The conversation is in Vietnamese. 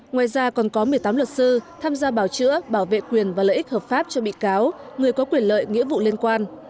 ngoài ra còn có một mươi tám luật sư tham gia bảo chữa bảo vệ quyền và lợi ích hợp pháp cho bị cáo người có quyền lợi nghĩa vụ liên quan